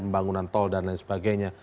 pembangunan tol dan lain sebagainya